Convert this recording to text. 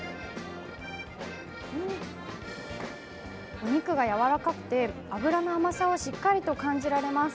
お肉が柔らかくて脂の甘さをしっかりと感じられます。